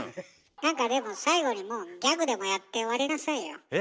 何かでも最後にもうギャグでもやって終わりなさいよ。え？